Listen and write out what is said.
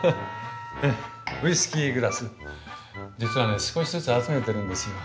実はね少しずつ集めてるんですよ。